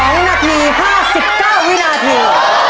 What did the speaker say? ๒นาที๕๙วินาที